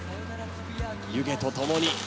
湯気とともに。